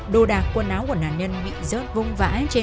đồ đạc quần áo của nạn nhân bị rớt vông vãi